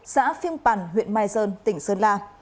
xã phiên quản huyện mai sơn tỉnh sơn la